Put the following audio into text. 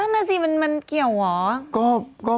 นั่นน่ะสิมันเกี่ยวเหรอ